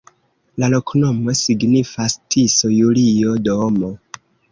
La loknomo signifas: Tiso-Julio-domo.